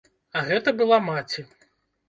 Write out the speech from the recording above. А гэта была маці.